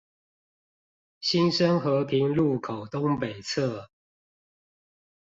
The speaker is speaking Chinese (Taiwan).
新生和平路口東北側